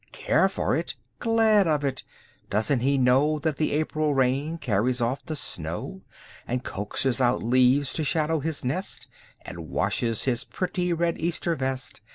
Care for it? Glad of it! Doesn't he know That the April rain carries off the snow. And coaxes out leaves to shadow his nest. And washes his pretty red Easter vest.